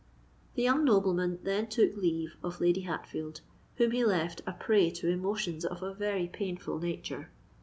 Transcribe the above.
The young nobleman then took leave of Lady Hatfield, whom he left a prey to emotions of a very painful nature.